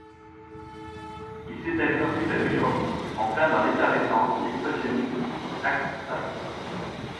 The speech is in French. Il s'établit ensuite à New York, en plein dans l'effervescence de l'expressionnisme abstrait.